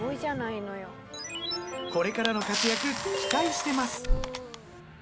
これからの活躍期待してます。